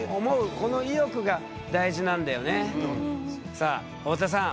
さあ太田さん